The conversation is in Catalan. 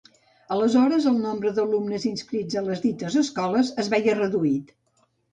Aleshores, el nombre d'alumnes inscrits a les dites escoles, es veia reduït.